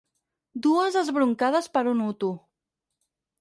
Dues esbroncades per a un hutu.